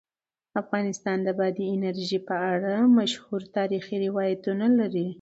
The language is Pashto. افغانستان د بادي انرژي په اړه مشهور تاریخی روایتونه لري.